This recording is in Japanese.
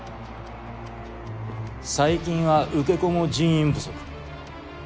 最近は受け子も人員不足。